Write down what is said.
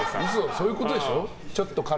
そういうことでしょ？